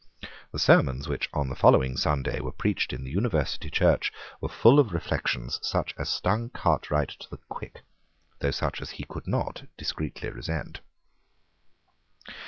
The sermons which on the following Sunday were preached in the University church were full of reflections such as stung Cartwright to the quick, though such as he could not discreetly resent.